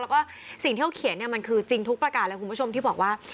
แล้วก็สิ่งที่เขาเขียนเนี่ยมันคือจริงทุกประการเลยคุณผู้ชมที่บอกว่า